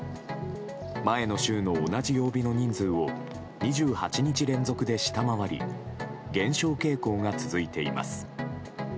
前の週の同じ曜日の人数を２８日連続で下回り減少傾向が続いています。